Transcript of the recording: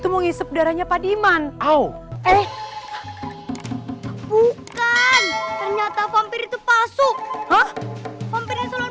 mau ngisep darahnya pak diman au eh bukan ternyata vampir itu pasuk hampir yang soalan